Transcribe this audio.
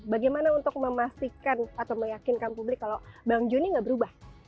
bagaimana untuk memastikan atau meyakinkan publik kalau bang jun ini tidak berubah